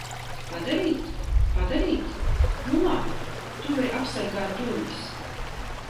Padarīt? Padarīt? Nu labi. Tu vari apsargāt durvis.